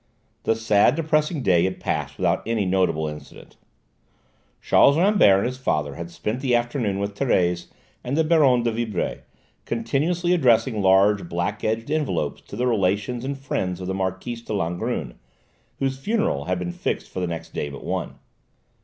The sad, depressing day had passed without any notable incident. Charles Rambert and his father had spent the afternoon with Thérèse and the Baronne de Vibray continuously addressing large black edged envelopes to the relations and friends of the Marquise de Langrune, whose funeral had been fixed for the next day but one.